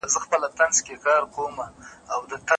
هسي نه چي مي د پښو له لاسه مات سم